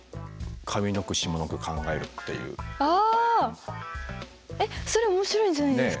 えっそれ面白いんじゃないですか？